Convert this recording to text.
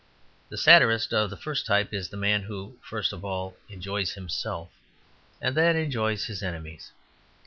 The satirist of the first type is the man who, first of all enjoys himself, and then enjoys his enemies.